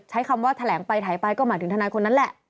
ใช้คำว่าแถลงไปถ่ายไปก็หมายถึงทนายคนนั้นแหละ